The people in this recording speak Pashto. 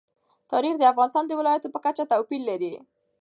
تاریخ د افغانستان د ولایاتو په کچه توپیر لري.